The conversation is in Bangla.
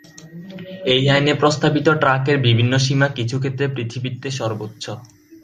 এই আইনে প্রস্তাবিত ট্রাকের বিভিন্ন সীমা কিছু ক্ষেত্রে পৃথিবীতে সর্বোচ্চ।